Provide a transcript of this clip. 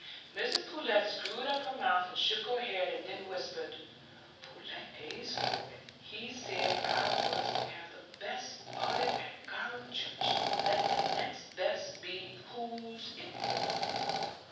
Mrs Pullet screwed up her mouth and shook her head, and then whispered, "Pullet pays for it; he said I was to have the best bonnet at Garum Church, let the next best be whose it would."